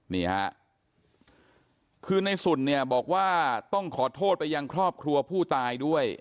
นี่ฮะคือในสุนเนี่ยบอกว่าต้องขอโทษไปยังครอบครัวผู้ตายด้วย